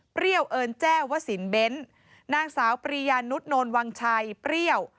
เอิญแจ้วสินเบ้นนางสาวปริยานุษนนวังชัยเปรี้ยว